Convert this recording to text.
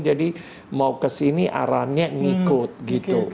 jadi mau kesini arahnya ngikut gitu